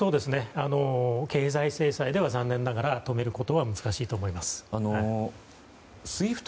経済制裁では残念ながら止めることは難しいと思います。